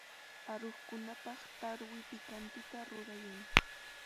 Aruqkunapaq tarwi pikantita rurayan.